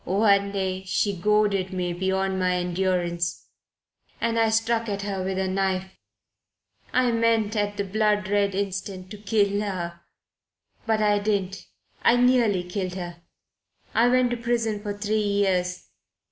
One day she goaded me beyond my endurance and I struck at her with a knife. I meant at the bloodred instant to kill her. But I didn't. I nearly killed her. I went to prison for three years.